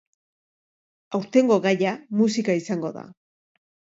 Aurtengo gaia musika izango da.